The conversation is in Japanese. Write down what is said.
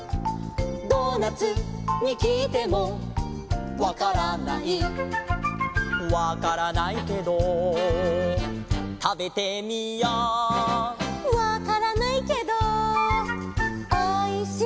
「ドーナツにきいてもわからない」「わからないけどたべてみよう」「わからないけどおいしいね」